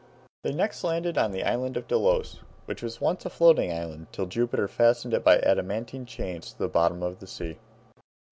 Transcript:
They next landed on the island of Delos, which was once a floating island, till Jupiter fastened it by adamantine chains to the bottom of the sea.